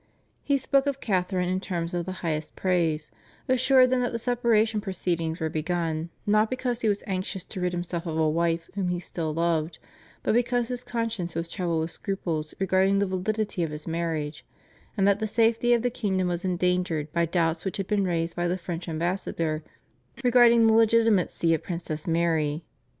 He spoke of Catharine in terms of the highest praise, assured them that the separation proceedings were begun, not because he was anxious to rid himself of a wife whom he still loved, but because his conscience was troubled with scruples regarding the validity of his marriage, and that the safety of the kingdom was endangered by doubts which had been raised by the French ambassador regarding the legitimacy of Princess Mary.